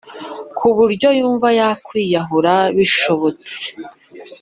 ku buryo yumva yakwiyahura bishobotse